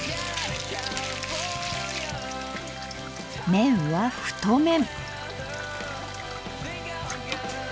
麺は太麺。